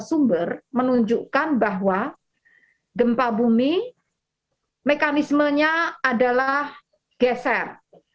sumber menunjukkan bahwa gempa bumi mekanismenya adalah geser